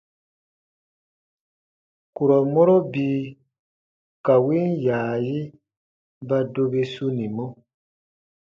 Kurɔ mɔro bii ka win yaayi ba dobi sunimɔ.